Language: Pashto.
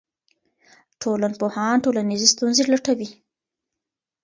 ټولنپوهان ټولنیزې ستونزې لټوي.